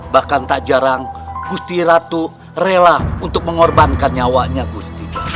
bahkan tak jarang gusti ratu rela untuk mengorbankan nyawanya gusti